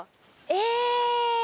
え！